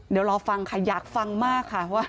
เดี๋ยวรอฟังค่ะอยากฟังมากค่ะว่า